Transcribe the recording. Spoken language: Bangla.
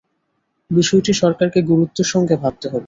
বিষয়টি সরকারকে গুরুত্বের সঙ্গে ভাবতে হবে।